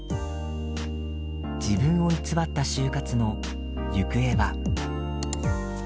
自分を偽った就活の行方は？